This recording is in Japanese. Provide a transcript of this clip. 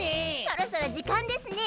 そろそろじかんですね。